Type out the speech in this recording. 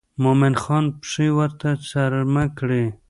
مومن خان پښې ورته څرمه کړې.